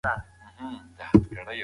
پوهه د بریا او نېکمرغۍ یوازینۍ لاره ده.